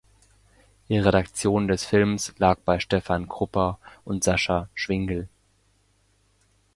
Die Redaktion des Films lag bei Stefan Kruppa und Sascha Schwingel.